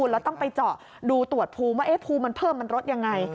แล้วต้องไปเจาะดูตรวจภูมิว่าภูมิมันเพิ่มมันลดยังไง